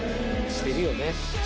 してるよね。